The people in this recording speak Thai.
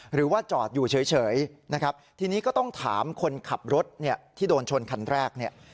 หรือว่าจอดอยู่เฉยทีนี้ก็ต้องถามคนขับรถที่โดนชนคันแรก